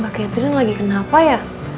pak catherine lagi kenapa ya